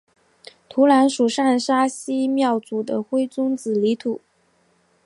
土壤属上沙溪庙组的灰棕紫泥土。